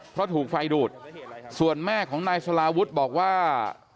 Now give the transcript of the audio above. เพราะถูกไฟดูดส่วนแม่ของนายสลาวุฒิบอกว่า